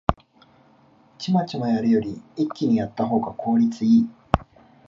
チマチマやるより一気にやったほうが効率いい